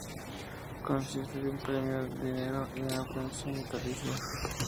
Consiste de un premio en dinero y una pensión vitalicia.